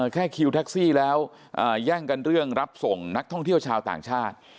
แค่คิวแท็กซี่แล้วแย่งกันเรื่องรับส่งนักท่องเที่ยวชาวต่างชาติ